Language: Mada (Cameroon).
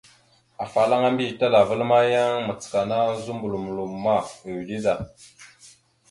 Afalaŋa mbiyez talaval ma, yan macəkana zuməɓlom loma, ʉde da.